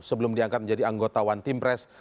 sebelum diangkat menjadi anggota one team press